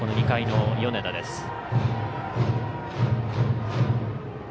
２回の米田です。